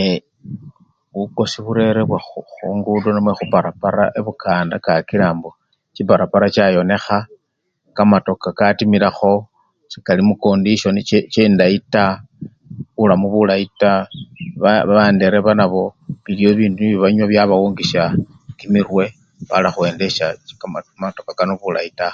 Ee! bukosi burerebwa khungudo namwe khuchiparapara ebukanda kakila mbo chiparapara chayonekha, kamatoka katimilakho sekali mukondisyoni chi chindayi taa, bulamu bulayi taa babandereba nabo biliwo bibindu nibyo banywa byabawungisya kimirwe bala khu-endesya chimo! kamatoka kano bulayi taa.